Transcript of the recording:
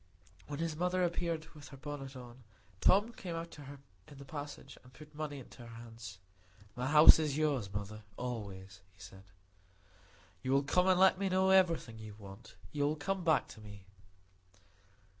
When his mother appeared with her bonnet on, Tom came out to her in the passage, and put money into her hands. "My house is yours, mother, always," he said. "You will come and let me know everything you want; you will come back to me."